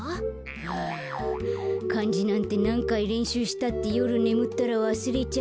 はあかんじなんてなんかいれんしゅうしたってよるねむったらわすれちゃうし。